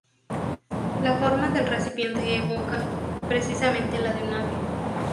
La forma del recipiente evoca precisamente la de un ave.